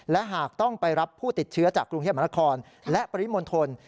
และหากต้องไปรับผู้ติดเชื้อจากกรุงเทพมหานครและปริมณฑล